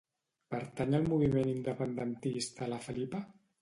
Pertany al moviment independentista la Felipa?